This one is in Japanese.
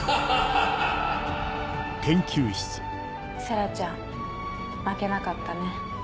星来ちゃん負けなかったね。